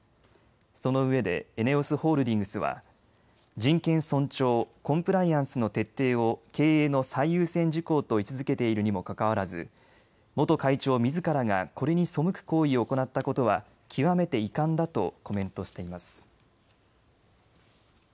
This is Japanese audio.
そのうえでＥＮＥＯＳホールディングスは人権尊重、コンプライアンスの徹底を経営の最優先事項と位置づけているにもかかわらず元会長みずからがこれに背く行為を行ったことは極めて遺憾だとコメントしています。